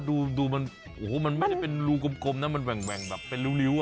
ก็ดูมันไม่ได้เป็นรูคมมันแหว่งเป็นริ้ว